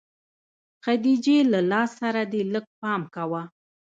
خديجې له لاس سره دې لږ پام کوه.